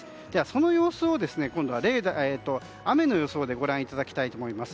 その様子を今度は雨の予想でご覧いただきたいと思います。